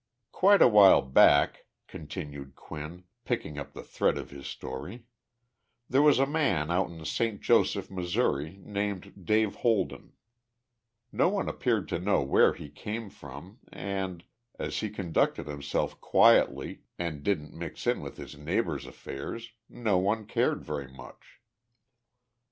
Quite a while back [continued Quinn, picking up the thread of his story] there was a man out in Saint Joseph, Missouri, named Dave Holden. No one appeared to know where he came from and, as he conducted himself quietly and didn't mix in with his neighbors' affairs, no one cared very much.